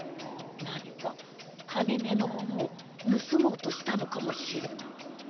何か金目の物を盗もうとしたのかもしれない。